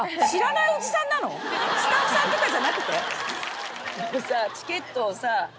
スタッフさんとかじゃなくて？